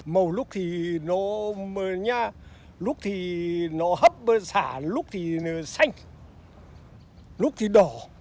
màu lúc thì nó mờ nha lúc thì nó hấp bơ xả lúc thì nó xanh lúc thì đỏ